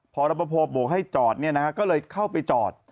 พอรับประโภบโบกให้จอดเนี่ยนะก็เลยเข้าไปจอด